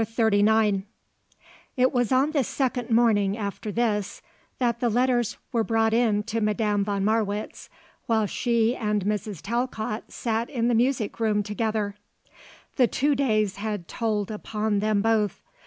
CHAPTER XXXIX It was on the second morning after this that the letters were brought in to Madame von Marwitz while she and Mrs. Talcott sat in the music room together. The two days had told upon them both.